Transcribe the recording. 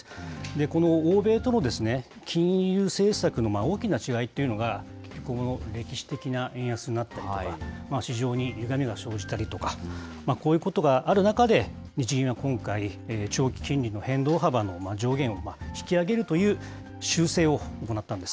この欧米との金融政策の大きな違いっていうのが、歴史的な円安になったりとか、市場にゆがみが生じたりとか、こういうことがある中で、日銀は今回、長期金利の変動幅の上限を引き上げるという修正を行ったんです。